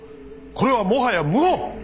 これはもはや謀反！